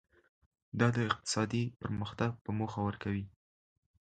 دا د اقتصادي پرمختګ په موخه ورکوي.